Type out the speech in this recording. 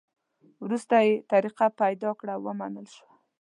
وروسته یې طریقه پیدا کړه؛ ومنل شوه.